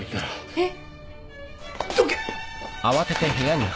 えっ！？